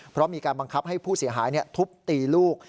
เพราะมีการบังคับให้ผู้เสียหายทุบตีลูก